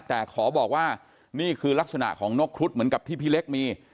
แต่ขอบอกว่านี่คือลักษณะของนกครุฑเหมือนกับที่พี่เล็กมี